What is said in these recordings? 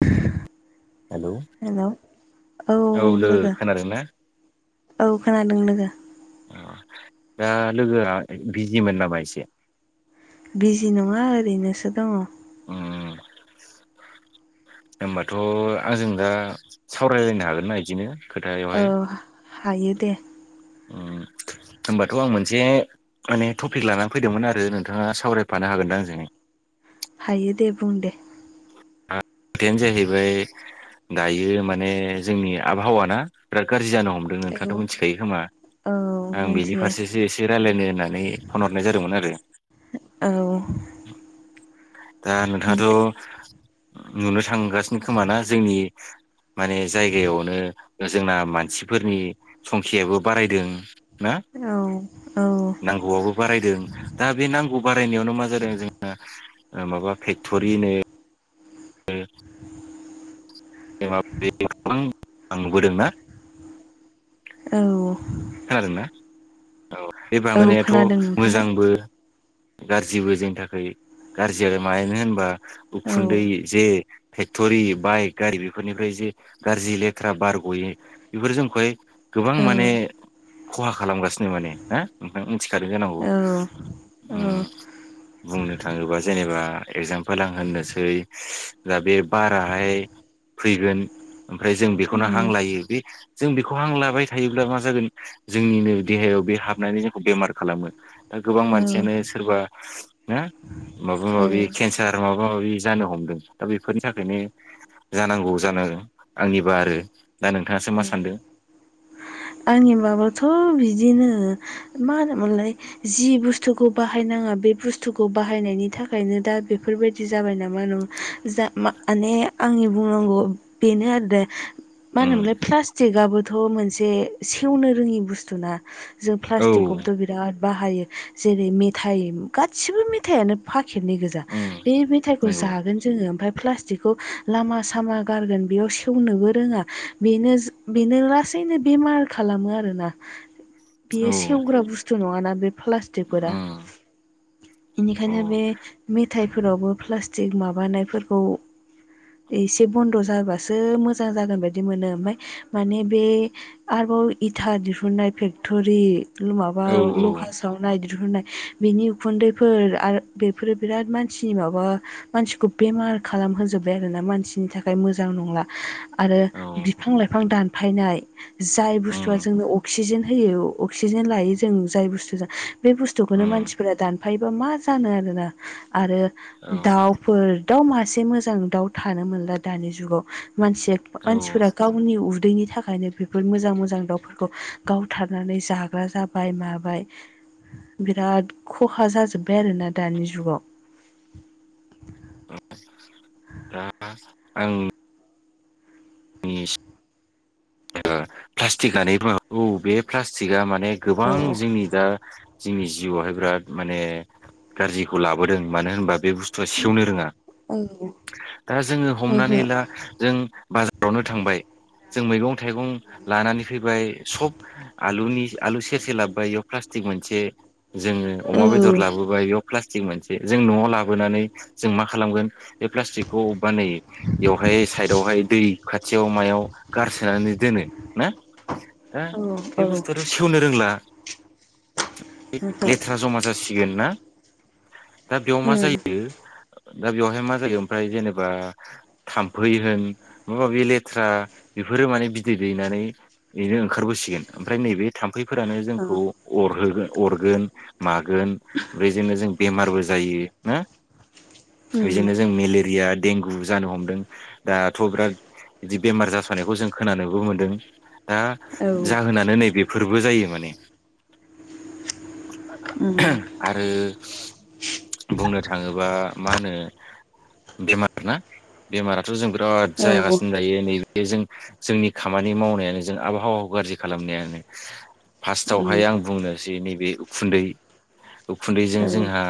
[unintelligible] Hello hello औ औ लोगो। खोनादोंना औ खोनादों लोगो। अ दा लोगोआ बिजिमोन नामा एसे? बिजि नङा ओरैनोसो दङ। उम। होनबाथ' आंजों दा सावरायलायनो हागोन ना बिदिनो औ [unintelligible] हायो दे। होनबाथ' आं मोनसे माने टपिक लानानै फैदोंमोन आरो नोंथाङा सावरायफानो हागोन दां आंजोंहाय हायो दे बुं दे। खोथायानो जाहैबाय दायो माने जोंनि आबहावा ना बिराद गाज्रि जानो हम दों नोंथांआथ' मिथिखायो खोमा औ आं बिनि मिथियो फारसेसो एसे रायज्लायनो होननानै [unintelligible] फन हरनाय जादोंमोन आरो। औ दा नोंथाङाथ' नुनो थांगासिनो खोमाना जोंनि माने जायगायावनो जोंना मानसिफोरनि संखियाबो बारायदों ना? औ औ। नांगौआबो बारायदों दा बे नांगौ बारायनायावनो मा जादों जोंना माबा फेक्ट'रि [unintelligible] ओ औ [unintelligible] खोनादों ना औ बे औ बांबोनायाथ' खोनादों नोंथाङा मोजांबो गाज्रिबो जोंनि थाखाय गाज्रि आरो मानो होनबा औ उखुन्दै जे फेक्टरि बाइक गारि बेफोरनिफ्राय [unintelligible] गाज्रि लेथ्रा बार गयो बेफोर जोंखौहाय गोबां औ माने खहा खालामगासिनो माने ना नोंथां मिथिखादों जानांगौ। उम औ। बुंनो थाङोबा जेनेबा एगजामपोल आं होननोसै दा बे बाराहाय फैगोन ओमफ्राय जों बेखौनो हां लायो बे जों बेखौ हांलाबाय थायोब्ला मा जागोन जोंनिनो देहायाव बे हाबनानै जोंखौ बेमार खालामो दा गोबां औ मानसियानो सोरबा ना माबा औ माबि केन्सार माबा माबि जानो हमदों दा बेफोरनि थाखायनो जानांगौ जानो आंनिबा आरो दा नोंथाङासो मा सान्दों? आंनि बाबोथ' बिदिनो मा होनोमोनलाय जि बुस्थुखौ बाहायनाङा बे बुस्थुखौ बाहायनायनि थाखायनो दा बेफोरबायदि जाबाय नामा [unintelligible] जा माने आंनि बुंनांगौ बेनो आरो। मा उम होनोमोनलाय प्लास्टिकआबोथ' मोनसे सेवनो रोङि बुस्थु ना जों औ प्लास्टिकखौबोथ' बिराद बाहायो जेरै मेथाइ गासिबो मेथाइयानो [unintelligible] [unintelligible] गोजा उम बे मेथाइखौ नंगौ जागोन जोंङो ओमफ्राय प्लास्टिक लामा सामा गारगोन बेयाव सेवनोबो रोङानो बैनो बेनो लासैनो बेमार खालामो आरोना। औ बेयो सेवग्रा बुस्थु नङाना बे प्लास्टिकफोरा। उम औ बेनिखायनो बे मेथायाइफोरावबो प्लास्टिक माबानायफोरखौ एसे बन्द जाबासो मोजां जागोन बायदि मोनो ओमफ्राय माने बे आरोबाव इथा दिहुननाय फेक्टरि माबा औ लहा सावनाय दिहुननाय बिनि उखुन्दैफोर आरो बेफोरो बिराद मानसिनि माबा मानसिखौ बेमार खालाम खालाम होजोबबाय आरोना मानसिनि थाखाय मोजां नंला आरो औ बिफां लाइफां दानफायनाय जाय उम बुस्थुआ जोंनो अ क्सिजेन होयो अक्सिजेन लायो जों जाय बुस्थुजो बे बुस्थुखौनो उम मानसिफोरा दान फायोबा मा जानो आरोना। आरो औ दाउफोर दाउ मासे से मोजां दाउ थानो मोनला दानि जुगाव मानसिया औ मानसिफोरा गावनि उदैनि थाखायनो बेफोर मोजां मोजां दाउफोरखौ गावथारनानै जाग्रा जाबाय माबाय। बिराद खहा जाजोब्बाय आरोना दानि जुगाव। दा आं नि [unintelligible] प्लास्टिकआनो औ बे प्लास्टिकआ माने गोबां औ जोंनि दा जोंनि जिउआवहाय बिराद माने गाज्रिखौ लाबोदों मानो होनबा बे बुस्थुआ सेवनो रोंङा। औ ओहो दा जोंङो हमनानै ला जों बाजारावनो थांबाय जों मैगं थाइगं लानानै फैबाय सब आलुनि आलु सेरसे लाबोबाय बेयाव प्लास्टिक मोनसे जोंङो औ अमा बेदर लाबोबाय बेयाव प्लास थिग मोनसे जों नआव लाबोनानै जों मा खालामगोन? बे प्लास्टिकखौ अबेबा नै एवहाय साइदावहाय दै खाथियाव मायाव गार सोनानै दोनो ना दा औ बे ओहो बुस्थुआथ सेवनो रोंला। लेथ्रा जमा जासिगोन ना? दा बेयाव मा जायो? दा बेवहाय मा जायो ओमफ्राय जेनेबा थाम्फै होन माबा माबि लेथ्रा बेफोरो माने बिदै दैनानै बेनो ओंखारबोसिगोन ओमफ्राय नैबे थाम फैफोरानो जोंखौ अरहो अरगोन मागोन बेजोंनो जों बेमारबो जायो ना। बेजोंनो जों मेलेरिया देंगु जानो हमदों दाथ' बिराद बिदि बेमार जासनायखौ जों खोनानोबो मोनदों। दा जाहोनानो नै बेफोरबो जायो माने। उम आरो बुंनो थांङोबा मा होनो बेमार ना बेमाराथ जों बिराद ओ उम औ उम औ जायागासिनो दायो नै‌ बे जों जोंनि खामानि मावनायानो जों आबहावाखौ गाज्रि खालामनायानो। उम फार्स्टआवहाय आं बुंनो जे नैबे उखुन्दै उखुन्दैजों औ जोंहा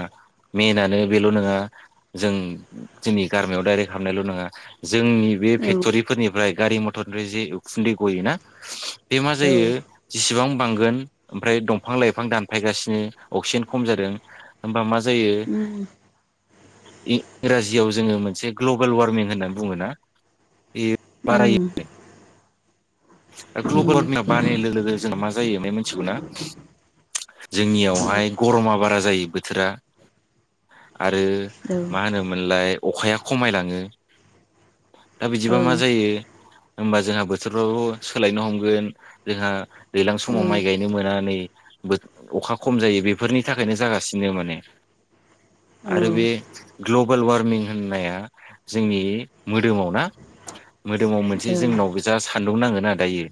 मेनानो बेल नोङा जों जोंनि गारमायाव डाइरेक्ट हाबनायल नंङा जोंनि बे औ फेक्टरिफोरनिफ्राय गा रि मथरनिफ्राय जे उखुन्दै गयो ना? बे मा औ जसेबां बांगोन दंफां लाइफां दानफायगासिनो अक्सिजेन खम जादों होमबा मा जायो ओम। इ-इंराजियाव जोंङो मोनसे ग्लबेल वार्मिं होननानै बुंङोना बे ओम। दा ग्लबेल उम वारमिंआ बारायनाय लोगो लोगो जोंना मा जायो बे मिथिगौ ना? औ जोंनियावहाय गरमा बारा जायो बोथोरा। आरो औ मा होनोमोनलाय अखाया खमायलाङो। दा बिदिबा मा जायो होमबा जोंहा बोथोराबो सोलायनो हमगोन जोंहा दैज्लां समाव माइ गायनो मोना नै अखा खम जायो। बेफोरनि थाखायनो जागासिनो माने औ आरो बे ग्लबेल वार्मिं होननाया जोंनि मोदोमाव ना? [inaudible] मोदोमाव मोनसे औ जोंनाव जा सान्दुं नांगोना दायो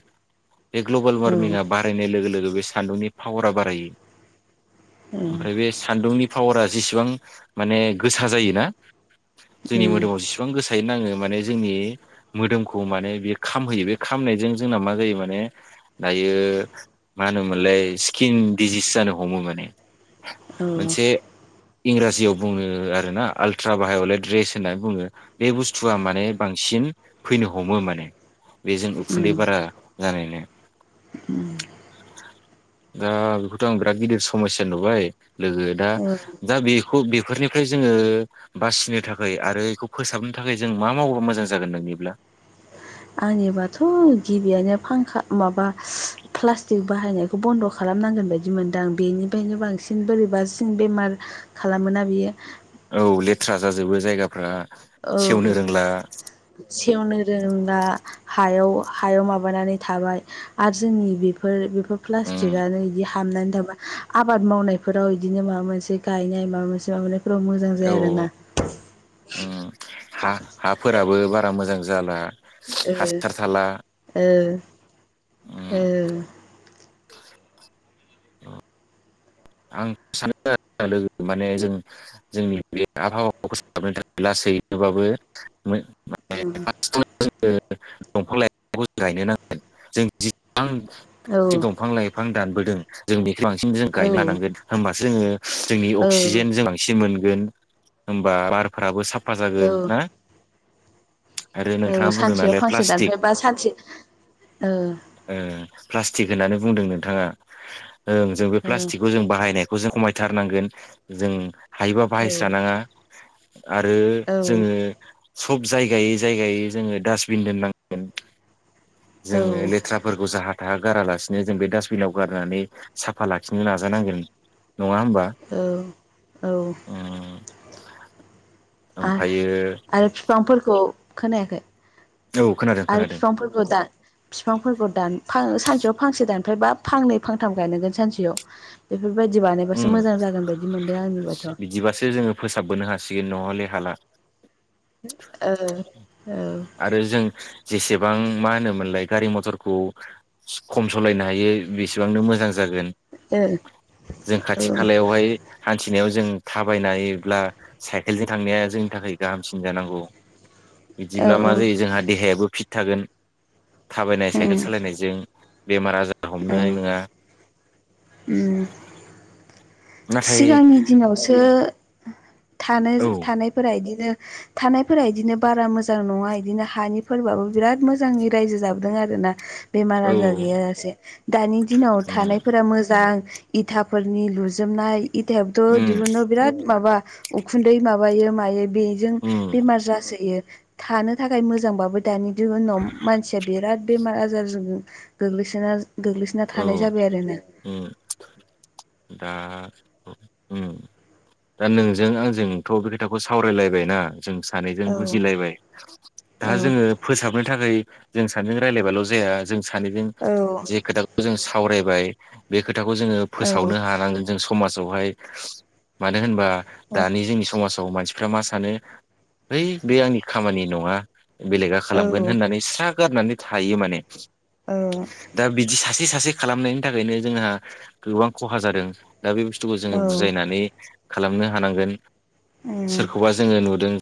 बे ग्लबेल औ वार्मिंआ बारायनाय लोगो लो गो बे सान्दुंनि पावारा बारायो। औ ओमफ्राय बे सान्दुंनि पावारा जेसेबां माने गोसा जायोना? जोंनि जों मोदोमाव जसेबां गोसा यै नाङो माने जोंनि मोदोमखौ माने बे खामहोयो। बे खामनायजों जोंना मा जायो माने दायो मा होनोमोनलाय स्किन डिजिस जानो हमो माने औ मोनसे इंराजियाव बुङो आरोना आलट्रा बायावलेद रेस होननानै बुङो बे बुस्थुआ माने बांसि बांसिन फैनो हमो माने बेजों उम उखुन्दै बारा जानायनो दा बेखौथ' आं बिराद गिदिर समयस्या नुबाय लोगो दा औ दा बेखौ बेफोरनिफ्राय जोङो बासिनो थाखाय आरो बेखौ फोसाबनो थाखाय जों मा मावोबा मोजां जागोन नोंनिब्ला? [inaudible] आंनिबाथ' गिबियनो फांखा माबा प्लास्टिक बाहायनायखौ बन्द' खालाम खालामनांगोन बायदि मोनदों आं बेनिफ्रायनो बांसिन बोरैबासिन बेमार खालामोना बियो औ लेथ्रा जाजोबो जायगाफ्रा औ सेवनो रोंला सेवनो रोङा हायाव हायाव माबानानै थाबाय आरो जोंनि बेफोर बे उम प्लास्टिकआनो हाबनानै थाबा आबाद मावनायफोराव बिदिनो माबा मोनसे गायनाय माबा मोनसे माबा फोराव मोजां जाया आरोना ओ हा हाफोराबो बारा मोजां जाला ओ हासार थाला ओ आं सानो लोगो माने जों जोंनि बे आबहावाखौ फोसाबनो थाखाय लासै सैयैब्लाबो औ दंफां लाइफांखौ गायनो नांगोन जों ओ जि ओं दंफां लाइफां दानबोदों जों बेखौ बांसिन जों औ गायना औ लानांगोन होमबासो जोङो जोंनि औ अक्सिजेन जों बांसिन मोनगोन होमबा बारफोराबो साफ फा औ जागोन ना आरो नोंथाङा औ बुंदों सानसेयाव नालाय फांसे प्लास्टिक दानफायबा सानसे ओ ओ प्लास थिख होननानै बुं नोंथाङा ओ जों बे ल्पासथिख ओ बाहायनायखौ जों खमायथारनांगोन जों हायोबा बाहायस्रानाङा आरो औ जोङो सब जायगायै जायगायै जोङो डासबिन दोननांगोन जोङो औ लेथ्राफोरखौ जाहाथे गारालासिनो जों बे डास्टबिनाव गारनानै साफा लाखिनो नाजानांगोन नङा होमबा औ औ ओम आर ओमफ्रायो आरो फिफांफोरखौ खोनायाखै औ खोनादों आरो खोनादों बिफांफोरखौ बिफांफोरखौ दान सानसे याव फांसे दानफ्राय बा फांनै फांथाम गायनांगोन सानसेयाव बेफोरबायदि उम बानायबासो मोजां जागोन बायदि मोनदों आंनिबाथ' बिदिबासो जोङो फोसाबबोनो हासिगोन नङाले हाला ओ औ। आरो जों जेसेबां मा होनोमोनलाय गारि मथरखौ खम सालायनो हायो बेसेबांनो मोजां जागोन ओ जों खाथि खालायावहाय। हान्थिनायाव जों थाबायनानैब्ला साइकेलजों थांनाया जोंनि थाखाय गाहामसिन जानांगौ। औ बिदिब्ला मा जायो जोंहा देहायाबो फिट थागोन थाबायनाय साइकेल सालायनायजों बेमार आजार हमनाय नङा। ओम। नाथाय सिगांनि दिनावसो थानो औ थानायफोरा इदिनो थानायफोरा इदिनो बारा मोजां नङा इदिनो हानि फोरबोयाबो बिराद मोजाङै रायजो जाबोदों आरो। ना बेमार औ आजार गैयाजासे दानि दिनाव उम थानायफोरा मोजां इथाफोरनि लु‌ नाय इथायाबोथ उम दिहुन्नो बिराद माबा उखुन्दै माबायो हायो। बेजों उम बेमार जासोयो। थानो थाखाय मोजांबाबो दानि दिउनाव मानसिया बिराद बेमार आजारजों गोग्लैसोना गोग्लैसोना थानाय औ जाबाय आरो नो दा उम उम दा नोंजों आंजोंथ' बे खोथाखौ सावरायलायबायना जों सानैजों औ बुजिलायबाय औ दा जोङो फोसाबनो थाखाय जों सानैजों रायलायबाल' जाया जों सानैजों जे औ खोथाखौ जों सावरायबाय बे खो थाखौ जोङो फोसावनो हानांगोन जों समाजावहाय मानो होनबा औ दानि जोंनि समाजाव मानसिफ्रा मा सानो हैइ बे आंनि खामानि नङा बेलेगा खालामगोन औ होननानै स्रा गारनानै थायो माने ओ दा बिदि सासे सासे खालामनायनि थाखायनो जोंहा गोबां खहा जादों। दा बे बुस्थुखौ जोङो औ बुजायनानै खालामनो हानांगोन उम सोरखौबा जोङो नुदों।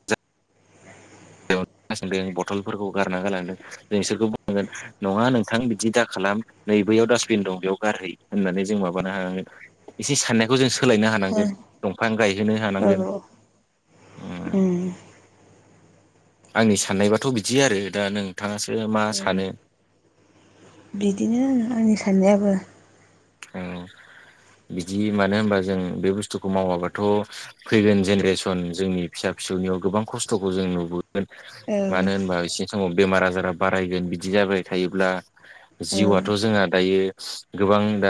[unintelligible] बथ'लफोरखौ गारना गालांदों जों बिसोरखौ बुंनांगोन नङा नोंथां बिदि दाखालाम। नै बैयाव डास्बिन दं बेयाव गारहै होननानै जों माबानो हांनांगोन एसे साननायखौ जों सो सोलायनो हानांगोन दंफां गायहोनो औ हानांगोन। उम [unintelligible] आंनि साननायबाथ' बिदि आरो दा नोंथाङासो मा सानो? बिदिनो आंनि साननायाबो औ बिदि मानो होनबा जों बे बुस्थुखौ मावाबाथ' फैगोन जेनेरेसन जोंनि फिसा फिसौनियाव गोबां खस्थ'खौ जों नुबो औ [unintelligible] मानो होनबा एसे समाव बेमार आजारा बारायगोन बिदि जाबाय थायोब्ला औ जिउआथ' जोंहा दायो गोबां दा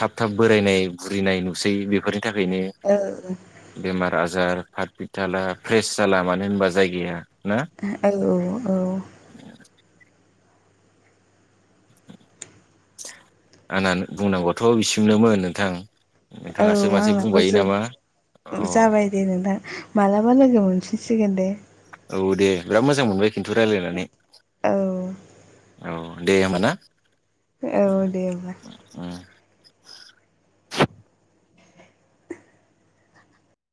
थाब थाब बोरायनाय बुरिनाय नुसै बेफोर थाखायनो औ बेमार आजार फाथ फिथाला फ्रेस जाला मानो होनबा जायगाया ना हे हेल' औ आंना बुंनांगौथ' बिसिमनोमोन नोंथां औ नोंथाङासो मासे आंनाबो बुंबायो नामा जोब अ जाबाय दे नोंथां मालाबा लोगो मोनफिनसिगोन दे औ दे बिराद मोजां मोनबाय खिन्थु रायलायनानै औ औ दे होमबा ना। उम औ दे होमबा। उम